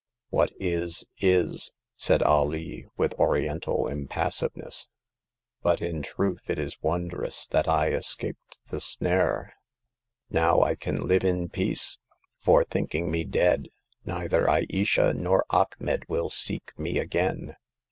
"What is, is," said Alee, with Oriental impas siveness; but in truth it is wondrous that I escaped the snare. Now I can live in peace ; for, thinking me dead, neither Ayesha nor Achmet will seek me again.